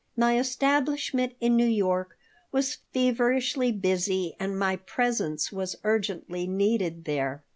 My establishment in New York was feverishly busy and my presence was urgently needed there.